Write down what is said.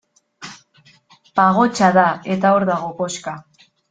Pagotxa da, eta hor dago koxka.